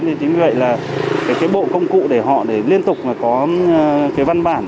nên chính vì vậy là cái bộ công cụ để họ để liên tục có cái văn bản